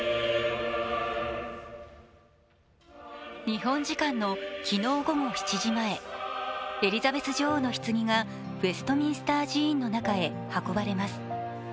日本時間の昨日午後７時前、エリザベス女王のひつぎがウェストミンスター寺院の中へ運ばれます。